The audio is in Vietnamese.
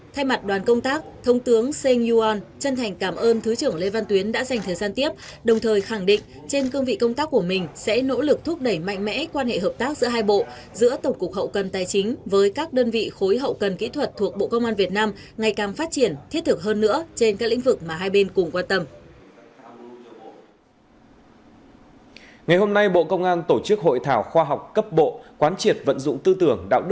thay mặt đoàn công tác thông tướng seng yuan chân thành cảm ơn thứ trưởng lê văn tuyến đã dành thời gian tiếp đồng thời khẳng định trên cương vị công tác của mình sẽ nỗ lực thúc đẩy mạnh mẽ quan hệ hợp tác giữa hai bộ giữa tổng cục hậu cần tài chính với các đơn vị khối hậu cần kỹ thuật thuộc bộ công an việt nam ngày càng phát triển thiết thực hơn nữa trên các lĩnh vực mà hai bên cùng quan tâm